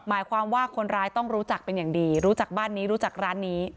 หมายความว่าคนร้ายต้องรู้จักเป็นอย่างดีรู้จักบ้านนี้รู้จักร้านนี้